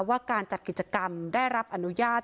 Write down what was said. ว่าการจัดกิจกรรมได้รับอนุญาต